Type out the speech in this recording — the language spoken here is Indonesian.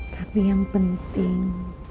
tapi yang penting